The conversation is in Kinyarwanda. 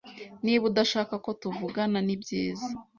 Niba udashaka ko tuvugana, nibyiza.